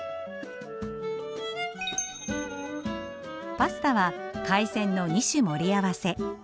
パスタは海鮮の二種盛り合わせ。